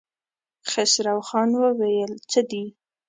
خسرو خان وويل: څه دي؟